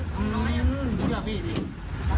จ้างน้อยซะ